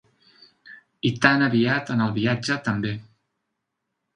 I tan aviat en el viatge també.